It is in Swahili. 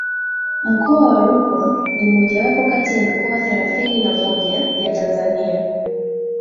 Mkoa wa Rukwa ni mmojawapo kati ya mikoa thelathini na moja ya Tanzania